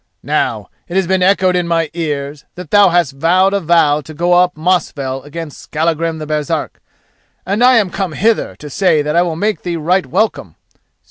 Now, it has been echoed in my ears that thou hast vowed a vow to go up Mosfell against Skallagrim the Baresark, and I am come hither to say that I will make thee right welcome.